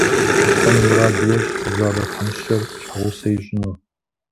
Аслъэн мурад ещӏ фызабэ тхьэмыщкӏэр щхьэгъусэ ищӏыну.